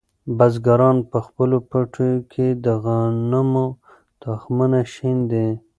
بزګران په خپلو پټیو کې د غنمو تخمونه شیندي.